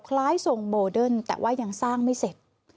คล้ายทรงโมเดิร์นแต่ว่ายังสร้างไม่เสร็จ